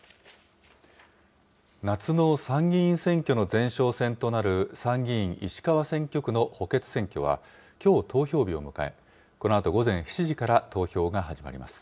夏の参議院選挙の前哨戦となる参議院石川選挙区の補欠選挙は、きょう投票日を迎え、このあと午前７時から投票が始まります。